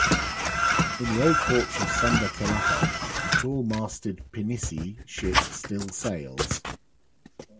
In the old ports of Sunda Kelapa, the tall masted pinisi ship still sails.